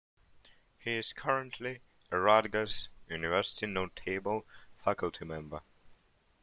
He is currently a Rutgers University notable faculty member.